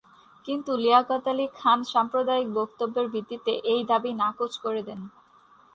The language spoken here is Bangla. কিন্তু লিয়াকত আলী খান সাম্প্রদায়িক বক্তব্যের ভিত্তিতে এই দাবি নাকচ করে দেন।